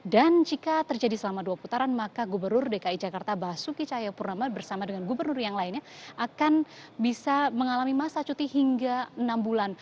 dan jika terjadi selama dua putaran maka gubernur dki jakarta basuki chayapurnama bersama dengan gubernur yang lainnya akan bisa mengalami masa cuti hingga enam bulan